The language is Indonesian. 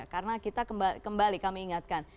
karena kita kembali kami ingatkan